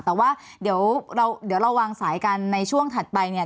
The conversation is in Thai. แต่ว่าเดี๋ยวเราวางสายกันในช่วงถัดไปเนี่ย